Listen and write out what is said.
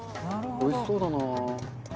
おいしそうだな。